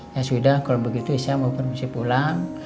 ya sudah kalau begitu saya mau permisi pulang